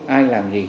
ai làm gì